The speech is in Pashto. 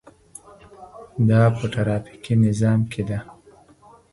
دا په ټرافیکي نظام کې ده.